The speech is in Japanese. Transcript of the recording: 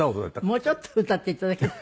もうちょっと歌っていただける？